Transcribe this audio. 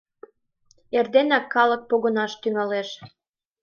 Эрденак калык погынаш тӱҥалеш.